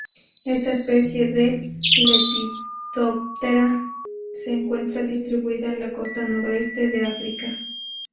Esta especie de Lepidoptera se encuentra distribuida en la costa noroeste de África.